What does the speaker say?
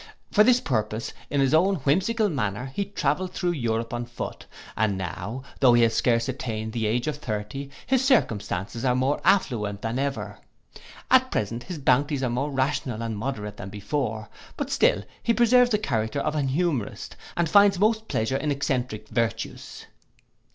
For this purpose, in his own whimsical manner he travelled through Europe on foot, and now, though he has scarce attained the age of thirty, his circumstances are more affluent than ever. At present, his bounties are more rational and moderate than before; but still he preserves the character of an humourist, and finds most pleasure in eccentric virtues.